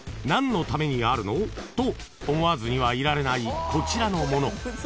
何のためにあるの？と思わずにはいられないこちらのもの］